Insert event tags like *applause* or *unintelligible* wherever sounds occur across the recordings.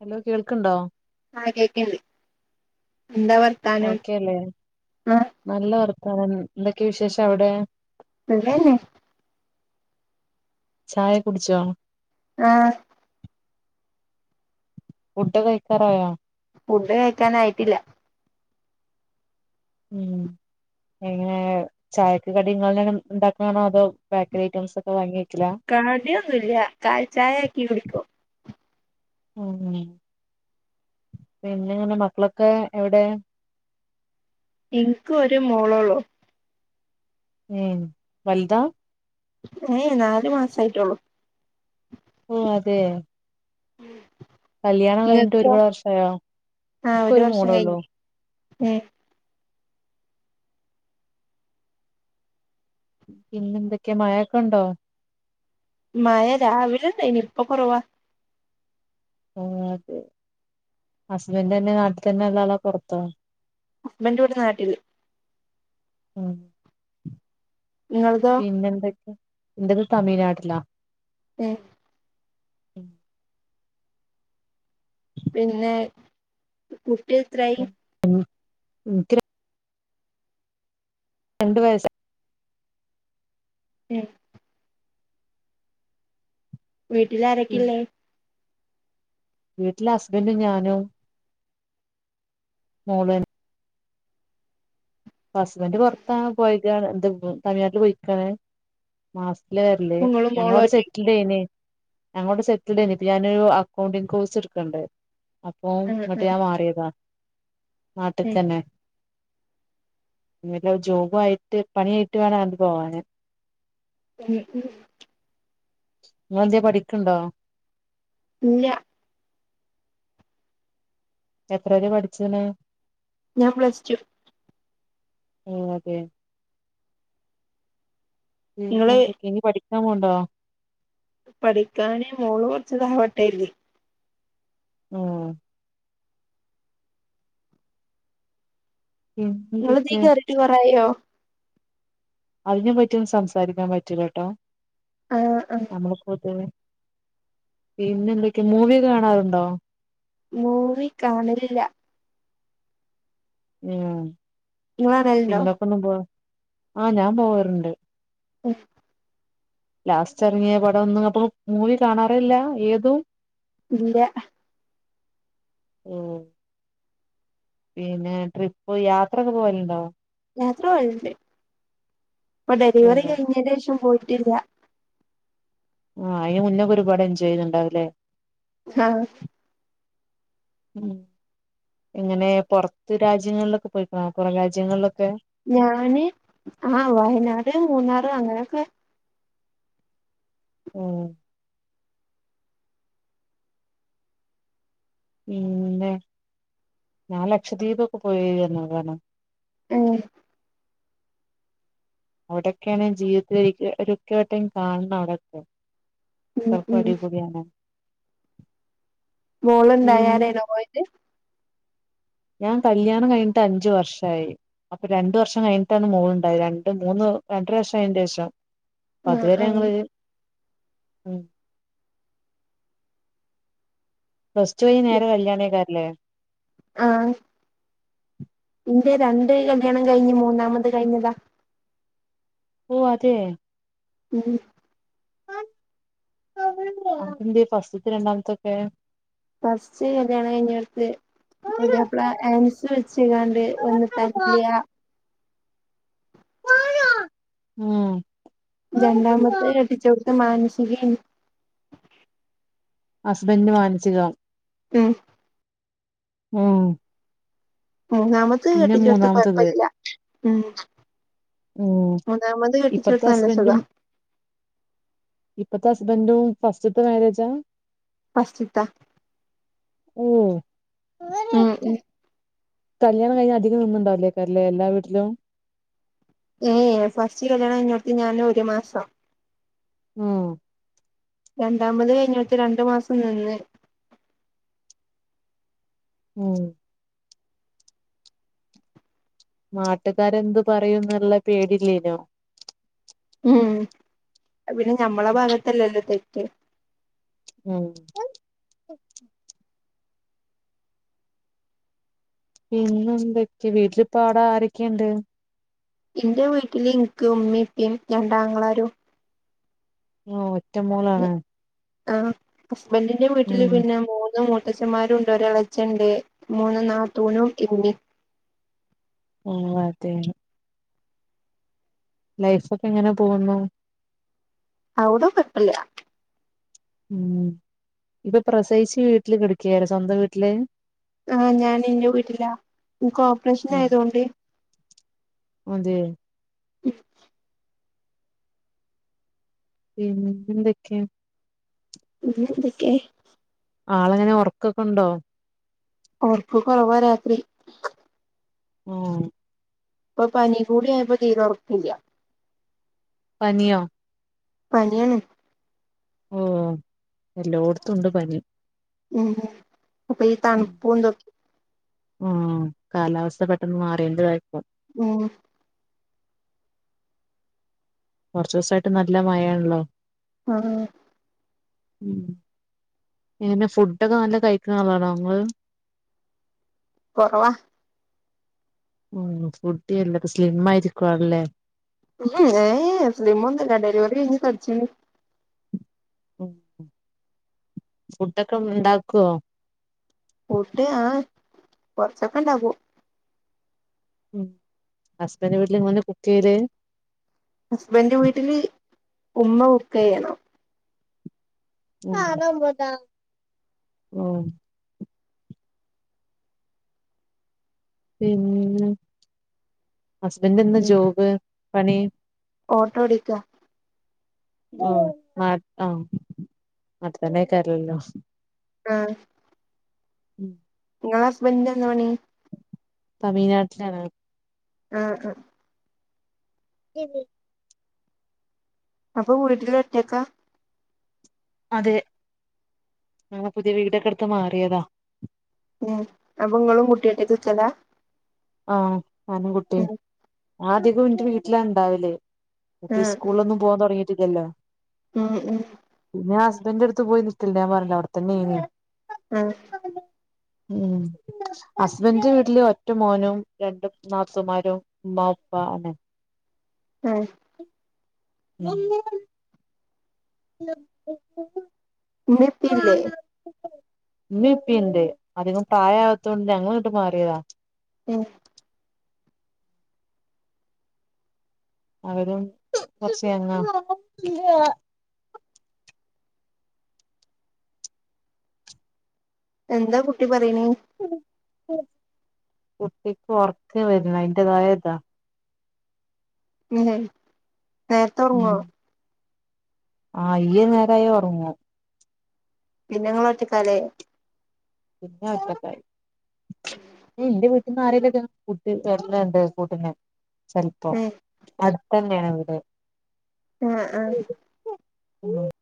Hello കേൾക്ക്ണ്ടോ ആ കേക്ക്ണ്ട് എന്താ വർ ഓക്കെല്ലേ നല്ല വർത്താനം എന്തൊക്കെ വിശേഷ അവിടെ നല്ലേയേന്നേ ചായ കുടിച്ചോ ആ ഫുഡ് കഴിക്കാറായോ ഫുഡ് കഴിക്കാനായിട്ടില്ല ഉം എങ്ങനെ ചായക്ക് കടിങ്ങളന്നെ ഉണ്ടാക്കാണോ അതോ ബേക്കറി ഐറ്റംസ് ഒക്കെ വാങ്ങി വെക്കല കടിയൊന്നുല്ല കാലിചായാക്കി കുടിക്കും ഉം പിന്നെ എങ്ങനെ മക്കളൊക്കെ എവിടെ ഇന്ക്ക് ഒരു മോളോള്ളൂ ഏ വലുതാ ഏ നാലു മാസയിട്ടൊള്ളു ഓ അതെ കല്യാണം കഴിഞ്ഞിട്ട് ഇങ്ങക്കോ ഒരുപാട് വർഷ യൊ എനിക്കൊരു മൊളൊള്ളൂ ഉം പിന്നെന്തൊക്കെയാ മഴൊക്കെ ഉണ്ടോ മഴ രാവിലണ്ടായിനി ഇപ്പൊ കൊറവാ ഓ അതെ ഹസ്ബൻഡ് തന്നെ നാട്ടിൽ തന്നെ ഉള്ള ആളാ പൊറത്തോ ഹസ്ബൻഡ് ഇവിടെ നാട്ടിൽ ഉ ഇങ്ങളതോ പിന്നെന്തക്കെ ഇൻ്റത് തമിഴ്നാട്ടിലാ ഉം പിന്നെ കുട്ടിത്രായി ഇൻക്ക് ര രണ്ടു വയസ് ഉം വീട്ടിൽ ആരൊക്കല്ലേ വീട്ടില് ഹസ്ബൻഡും ഞാനും മൊളു ഹസ്ബന്റ് പുറത്താ പോയകാണ് എന്ത് തമിഴ്നാട്ടില് പോയിക്കാണ് മാസത്ത്ല വരല്ല് ഇങ്ങളും മോളും ഞങ്ങള്ടെ ഒറ്റ സെറ്റ് സെറ്റെ അങ്ങോട്ട സെറ്റിൽഡേെ ഇപ്പൊ ഞാനൊരു അക്കൗണ്ടിംഗ കോഴ്സ് ഇടുക്കണ്ടേ അപ്പൊ ആഹ് ഇങ്ങോട്ട് ഞാൻ മാറിയതാ ആഹ് നാട്ട്ക്ക്ന്നെ ഞ്ഞട്ട് ജോബു ആയിട്ട് പണിയ ആയിട്ട് വേണംണ്ട് പോവാന് ഉം ഉം നീ എന്തേ പഠിക്കുണ്ടോ ഇല്ല എത്ര വരെ പഠിച്ചന് ഞാൻ പ്ലസ്സ്ടു *unintelligible* പിന്നെ ഇങ്ങള് എന്തൊക്കെയ ഇനി പഠിക്കാൻ പോണ്ടോ പഠിക്കാന് മോള് കുറച്ചതവട്ടെല്ലേ ഉം പിന്നെന്തൊക്കെ നിങ്ങതീക്ക് കയറിയിട്ട് കുറയോ അതിനെ പറ്റിയൊന്ന് സംസാരിക്കാൻ പറ്റലട്ടോ ആഹ് ആഹ് നമ്മള് *unintelligible* പിന്നെ എന്തൊക്കെയ മൂവി കാണാറുണ്ടോ മൂവി കാണലില്ല ഉം നിങ്ങ കാണലുണ്ടോ പിന്നെന്താ ആഹ് ഞാൻ പോവാറുണ്ട് *unintelligible* ലാസ്റ്റ് ഇറങ്ങിയ പടംന്നും അപ്പൊ മൂവി കാണാറില്ല ഏതും ഇല്ല ഓ പിന്നെ ട്രിപ്പ് യാത്ര ഒക്കെ പോവലുണ്ടോ യാത്ര പോവലണ്ട് ഇപ്പൊ ഡെലിവറി ഉം കഴിഞ്ഞേൻ്റെശം പോയിട്ടില്ല ആഹ് അയിന് മുന്നേക്കെ ഒരുപാട് എൻചോയ് ചെയ്തുണ്ടാവില്ലേ ആഹ് ഉം എങ്ങനെ പുറത്ത് രാജ്യങ്ങളിലൊക്കെ പോയിക്കണോ കൊറരാജ്യങ്ങളിലൊക്കെ ഞാന് ആഹ് വയനാട് മൂന്നാർ അങ്ങനെയൊക്കെ ഓ പിന്നെ ഞാൻ ലക്ഷദ്വീപൊക്കെ പോയ *unintelligible* ആഹ് അവിടൊക്കെയാണ് ജീവിതത്തിലൽരിക്കക്കെ വട്ടം കാണണം അവിടൊക്കെ ഉം *unintelligible* ഉം അടിപൊടിയാണ് പിന്നെ മോളിണ്ടായാറെയാണോ പോയത് ഞാൻ കല്യാണം കഴിഞ്ഞിട്ട് അഞ്ച് വർഷായി അപ്പൊ രണ്ടു വർഷം കഴിഞ്ഞിട്ടാണ് മോളളുണ്ടായത് രണ്ട് മൂന്ന് രണ്ടര വർഷം അതിന്റെ ശേഷം ആഹ് അതുവരെ ആഹ് ഞങ്ങള്ൾ ഉം പ്ലസ് ടു കഴിഞ്ഞ് നേരെ കല്യാണക്കാല്ലേ ആഹ് ഇൻ്റെ രണ്ട് കല്യാണം കഴിഞ്ഞ് മൂന്നാമത് കഴിഞ്ഞതാ ഓ അത ഉം *unintelligible* എന്ത് ഫസ്റ്റിൽത്തേം രണ്ടാമത്തൊക്കെ ഫസ്റ്റ് കല്യാണം കഴിഞ്ഞടുത്തത് പുതിയാപ്ല ആൻസ് വെച്ച് കാണ്ട് വന്ന് തരില്ല ഓ രണ്ടാമത്തെ കെട്ടിച്ച കൊടുത്ത് മാനസിക ഹസ്ബൻഡറിന് മാനസികവും ഉം ഓ മൂനാമത്തെ കെട്ടിച്ചെട്ത്ത് മൂന്നാമത്തത് കൊഴപ്പില്ല ഉം ഉം മുന്നാമത് ഇപ്പത്തെ കെട്ടിച്ചെടുത്ത് നല്ല സുഖ ഹസ്ബൻഡും ഇപ്പത്തെ ഹസ്ബൻഡും ഫസ്റ്റ്ത്തെ മാര്യേജ ഫസ്റ്റ്ത്ത ഊം ഉം ഉം കല്യാണം കഴിഞ്ഞ് അധികം നിന്ന്ണ്ടാവ് ലേക്കാരല്ലേ എല്ലാ വീട്ടിലും ഏയേ ഫസ്റ്റ് കല്യാണം കഴിഞ്ഞോട്ത്ത് ഞാന് ഒരു മാസം ഉം രണ്ടാമത് കഴിഞ്ഞോട്ത്ത് രണ്ടു മാസം നിന്ന് ഉം നാട്ടുകാരെന്ത് പറയും ന്ന്ള്ള പേടില്ലേനോ? ഉം ഉം അത് പിന്നെ ഞമ്മള ഭാഗത്തല്ലല്ലോ തെറ്റ്. ഉം അ പിന്നെ എന്തൊക്കെ? വീട്ടിലിപ്പ അവട ആരൊക്കെണ്ട്? ഇന്റെ വീട്ടില് ഇൻക്ക് ഉമ്മിം ഇപ്പിം രണ്ടാങ്ങളാരും ഓഹ് ഒറ്റ മോളാണ് ആഹ് ഹസ്ബൻ്റിന്റെ വീട്ടില് ഉം പിന്നെ മൂന്ന് മൂ ത്തച്ച്ചന്മാരൂണ്ട് ഒരളച്ചൻ ണ്ട് മൂന്ന് നാത്തൂനും ഇമ്മിം ഉം അതെ. ലൈഫ് ഒക്കെ എങ്ങനെ പോവുന്നു? അവ്ട കൊയ്പ്പല്ല. ഉം ഇപ്പ പ്രസവിച്ച് വീട്ടില് കിടക്കേക്കാരം സ്വന്തം വീട്ടില് ആഹ് ഞാൻ ഇന്റെ വീട്ടിലാ. ഇൻക്ക് ഓപ്റേഷൻ ഉം ആയതോണ്ട് അതെ ഉഹ് പീ ന്നെ എന്തൊക്ക്യാ? പിന്നെന്തൊക്കെ ആളെങ്ങനെ ഒറക്കൊക്കണ്ടോ? ഓർക്ക് കൊറവാ രാത്രി. മ് ഇപ്പൊ പനി കൂടി ആയപ്പൊ തീരൊറക്കില്ല. പനിയോ. പനിയാണ്. ഉം ഇപ്പെല്ലോട്ത്തുണ്ട് പനി ഉം അപ്പൊ ഈ തൺപ്പും തൊക്കെ ഊം കാലാവസ്ഥ പെട്ടെന്ന് മാറിയേൻ്റതായിക്കും ഉം കൊർച്ചൂസായിട്ട് നല്ല മഴേണല്ലോ ആഹ് ഉ എങ്ങനെ ഫുഡൊക്കെ നല്ല കഴിക് ണ ആളാണോ ങ്ങള്? കൊറവാ. ഉം ഫുഡി അല്ല പ്പൊ സ്ലിം ആയിരിക്കു ആള് ല്ലേ? *unintelligible* സ്ലിം ഒന്നുല ഡെലിവറി കഴിഞ്ഞ് തടിച്ച് ണ് ഉം ഫുഡൊക്കെ ഉണ്ടാക്കോ? ഫുഡ്‌ ആഹ് കൊറച്ചൊക്കെ ഉണ്ടാക്കും. ഉം ഹസ്ബൻഡ് വീട്ടില് ഇങ്ങളന്നെ കുക്കയ്യ്ല്? ഹസ്ബൻഡ് വീട്ടില് ഉമ്മ കുക്കയ്യണം. *unintelligible* പിന്നെ ഹസ്ബൻഡ്ന്ന് ഉം ജോബ് പണി? ഓട്ടോ ഓടിക്ക ഓഹ് നാട്ട് ആഹ് നാട്ട് തന്നെക്കാരൽല്ലോ. ആഹ ഉം നിങ്ങള ഹസ്ബന്ഡ് എന്ത പണി തമിഴ്നാട്ടിലാണ് ആ ആ *unintelligible* അപ്പൊ വീട്ടിൽ ഒറ്റക്ക അതെ ഞങ്ങൾ പുതിയ വീടൊക്കെ എടുത്ത് മാറിയതാ ഉം അപ്പെ നിങ്ങളും കുട്ടിഒറ്റക് നിക്കല ആഹ ഞാനുംകുട്ടി ആദ്യഗം ഇന്റെ വീട്ടിലാ ഇണ്ടാവല് കുട്ടി ആഹ് സ്കൂളിലൊന്നും പോവാൻ തുടങ്ങിട്ടില്ലല്ലോ ഉം ഉം ഞാൻ ഹസ്ബൻറ അടുത്ത് പോയി നിക്ക്ല്ണ്ട് ഞാൻ പറന്നില്ലേ അവിടെത്തന്നെയിനു ആഹ ഉ ഹസ്ബൻഡന്റെ വീട്ടില് ഒറ്റ മോനും രണ്ടും നാത്തുൻമാരും ഉമ്മാഉപ്പ അണ് ഉം *unintelligible* ള്ളൂ ഇമ്മി ഇപ്പി ല്ലേ ഇമ്മി ഇപിൻണ്ട് അധികം പ്രായവത്തോണ്ട് ഞങ്ങൾ ഇങ്ങിട്ട് മാറിയതാ ഉം അവരും കുറച് യെങ്ങ എന്താ കുട്ടി പറിണ് കുട്ടിക്ക് ഉറക്കം വരുന്ന അതിന്റെതായതാ *unintelligible* ഹേ ഉം നേരതുറങ്ങുവോ ആഹ് യ്യ് നേരയൽ ഓറങ്ങും പിന്നെ നിങ്ങള ഒറ്റക്കാലേ പിന്നെ ഒറ്റക്കായി മ് എന്റെ വീട്ടിൽന്ന് ആരലൊക്ക കൂട്ടി വരനുണ്ട് കൂട്ന് ചിലപ്പോ ഏഹ് അടുന്നെയാണ് വീട് ആഹ ആഹ *unintelligible*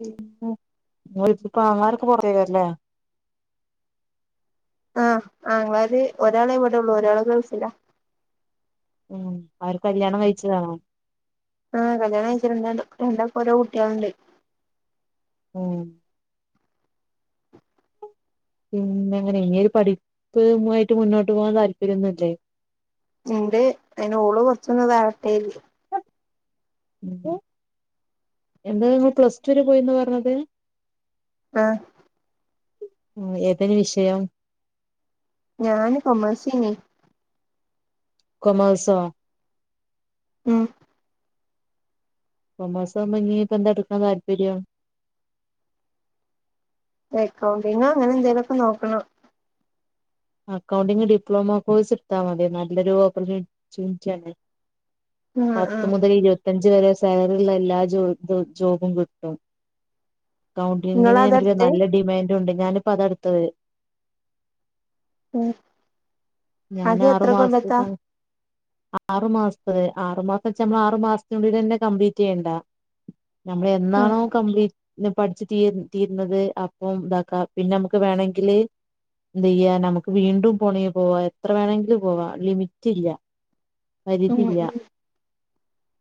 *unintelligible* നിങ്ങളെ ടുത്ത് ഇപ്പപ്പ അങ്ങാളാ രൊക്കെ പുറത്തേക്കരല്ലേ ആ ആങ്ങളാര് ഒരാളെവിടെള്ളൂ ഒരാൾ ഗൾഫില ഉം അവര് കല്യാണം കഴിച്ചതാണോ ആഹ് കല്യാണം കഴിച് രണ്ടക് രണ്ടക്ക് ഓരോ കുട്ടിൾണ്ട് ഉം പിന്നെ അങ്ങനെ ഇങ്ങൊരു പഠിപ്പ് യി മുന്നോട്ട് പോകൻ താല്പര്യംന്നുല്ലേ ഇൻട് അയിന് ഓള് കൊറച്ചൊന്ന് തവട്ടെ തി എന്ത എന്താ നിങ്ങൾ പ്ലസ് ടുവരെ പോയിന്ന് പറഞ്ഞത് ആഹ ഉ ഏതൊനു വിഷയം ഞാന് കോമെയ്‌സ് നു കോമെയ്‌സോ ഉം കോമെയ്‌സ് ആവുമ്പോ ഇന്നി ഇപ്പൊ എന്താ എടുക്കാൻ താല്പര്യം എക്കൗണ്ടിങ്ങോ അങ്ങനെ എന്തെലൊക്കെ നോക്കണം അക്കൗണ്ടിംങ് ഡിപ്ലോമ കോഴ്സ് എത്താൽ മതി നല്ലൊരു ഓപ്പർച്യൂണിച്ണറ്റി ആണ് ആഹ് പത്ത് ആഹ് മുതൽ ഇരുപത്തിയഞ്ച് വരെ സാലറിള്ള എല്ലാ ജോ ജോബും കിട്ടും കൗണ്ടിങ്ങിന് എനിക്ക് ഇങ്ങളതാട്ത്തെ നല്ല ഡിമാൻഡ് ഉണ്ട് ഞാനിപ്പ അതെടുത്തത് ഉഓ ഞാൻ ആറു മാസത്തേക്കാണ് ആറു മാസത്തെ ആറു മാസം വെച്ച നമ്മൾ ആറ് മാസത്തിനന്നെ കംപ്ലീറ്റ് ചെയ്യണ്ടേ നമ്മള് ഉം എന്നാണോ കംപ്ലീറ്റ് പഠിച്ചു തീർ തീരുന്നത് അപ്പം ഇതാക്കാം പിന്നെ നമുക്ക് വേണമെങ്കിൽ എന്റായ്യാ നമുക്ക് വീണ്ടും പോണി പോവാ എത്ര വേണമെങ്കിലും പോവാ ലിമിറ്റ് ഇല്ല ഉം പരുതില്ല ഉം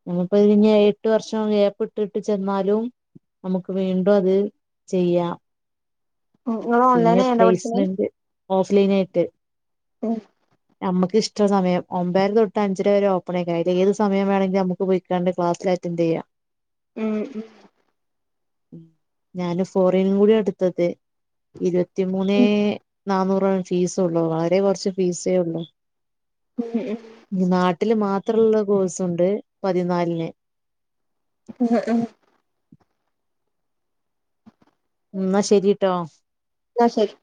ഇനിപ്പോ ഇത് ഇനി ഏഴ് എട്ട് വർഷം ഏപ്പ ഇട്ടിട്ട് ചെന്നാലും നമുക്ക് വീണ്ടും അത് ചെയ്യാം ഉം ഇങ്ങള് പിന്നെ ഓൺലൈനായാണ്ടാ പഠിച്ച്ണേ പ്ലേസ്മെന്റ് ഓഫ്‌ ലൈൻ ആയിട്ട് ഓ നമുക്ക് ഇഷ്ടമം സമയം ഒമ്പേരാ തൊട്ട് അഞ്ചരെ വേറെ ഓപ്പൺ ആയിരിക്കും അയിൽ ഏത് സമയം വേണെങ്ക നമുക്ക് ക്ലാസിൽ അറ്റാന്റ് ചെയ്യാം ഉം ഞാന് ഫോറിൻ കൂടി അടുത്തത് ഇരുപത്തിമൂന്നേ ഉം നന്നൂർ ഫീസുള്ളൂ വളരെേ കുറച്ച് ഫീസേ ഉള്ളു ഉ നാട്ടില് മാത്രമുള്ള കോഴ്സുണ്ട് പതിനാലിന് ഉ ഉ എന്നാ ശെരിട്ടോ ന്നാ ശരി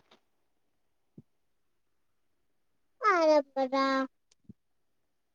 പ്പട